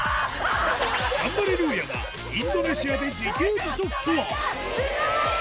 ガンバレルーヤがインドネシアで自給自足ツアー捕まえた！